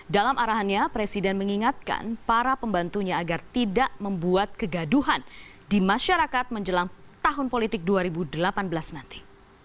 dalam arahannya presiden mengingatkan para pembantunya agar tidak membuat kegaduhan di masyarakat menjelang tahun politik dua ribu delapan belas nanti